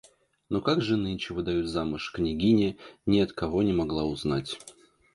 Но как же нынче выдают замуж, княгиня ни от кого не могла узнать.